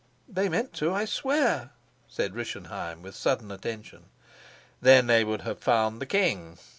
"They meant to, I swear," said Rischenheim with sudden attention. "Then they would have found the king.